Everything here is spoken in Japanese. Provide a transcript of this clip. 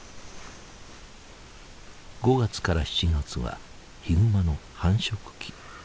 ５月から７月はヒグマの繁殖期。